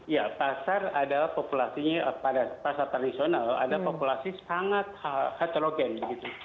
ya pasar adalah populasinya pada pasar tradisional ada populasi sangat heterogen begitu